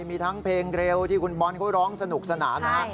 มีทั้งเพลงเร็วที่คุณบอลเขาร้องสนุกสนานนะฮะ